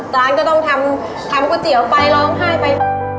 ร้านก็ต้องทำก๋วยเตี๋ยวไปร้องไห้ไป